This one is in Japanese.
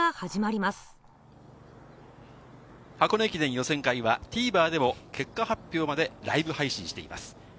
駅伝予選会はＴＶｅｒでも結果発表までライブ配信しています。